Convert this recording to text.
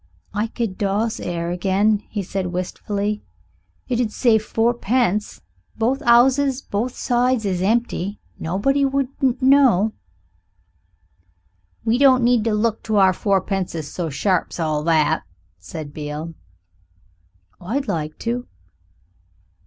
"I could doss 'ere again," he said wistfully; "it 'ud save fourpence. Both 'ouses both sides is empty. Nobody wouldn't know." "We don't need to look to our fourpences so sharp's all that," said Beale. "I'd like to."